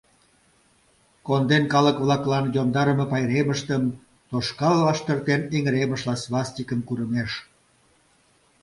Конден калык-влаклан йомдарыме пайремыштым, тошкал лаштыртен эҥыремышла свастикым курымеш.